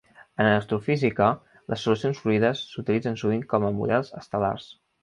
En astrofísica, les solucions fluides s'utilitzen sovint com a models estel·lars.